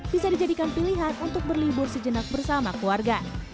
bisa dijadikan pilihan untuk berlibur sejenak bersama keluarga